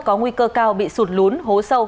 có nguy cơ cao bị sụt lún hố sâu